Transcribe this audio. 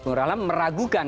bung rahlan meragukan